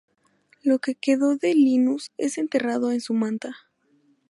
Lo que quedó de Linus es enterrado en su manta.